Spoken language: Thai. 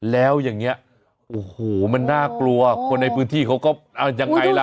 แล้วอย่างนี้โอ้โหมันน่ากลัวคนในพื้นที่เขาก็เอายังไงล่ะ